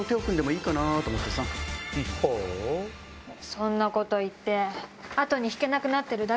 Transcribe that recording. そんなこと言って。